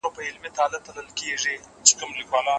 زه درسونه نه تکراروم.